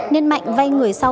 nên mạnh vai người sau